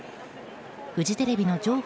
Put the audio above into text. フジテレビの上法